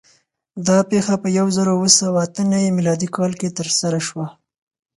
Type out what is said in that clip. دا پېښه په یو زرو اوه سوه اته نوي م کال کې ترسره شوه.